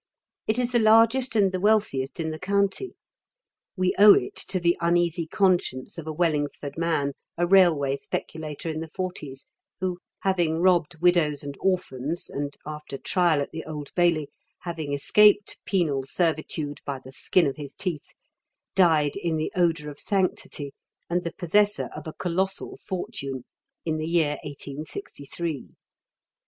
It is the largest and the wealthiest in the county. We owe it to the uneasy conscience of a Wellingsford man, a railway speculator in the forties, who, having robbed widows and orphans and, after trial at the Old Bailey, having escaped penal servitude by the skin of his teeth, died in the odour of sanctity, and the possessor of a colossal fortune in the year eighteen sixty three.